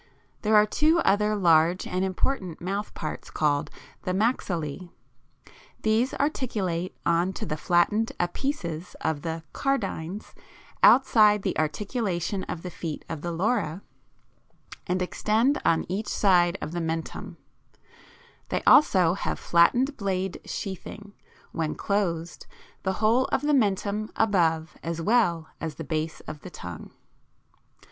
There are two other large and important mouth parts called the maxillæ (20, G); these articulate on to the flattened apices of the cardines, outside the articulation of the feet of the lora, and extend on each side of the mentum; they also have flattened blades sheathing, when closed, the whole of the mentum above, as well as the base of the tongue.